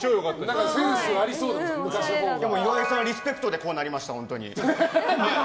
でも、岩井さんリスペクトでこうなりました。